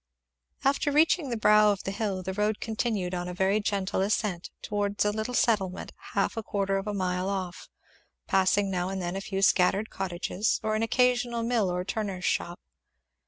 After reaching the brow of the hill the road continued on a very gentle ascent towards a little settlement half a quarter of a mile off; passing now and then a few scattered cottages or an occasional mill or turner's shop.